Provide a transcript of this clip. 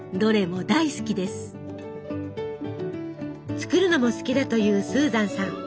作るのも好きだというスーザンさん。